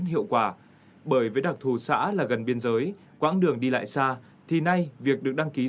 hiệu quả bởi với đặc thù xã là gần biên giới quãng đường đi lại xa thì nay việc được đăng ký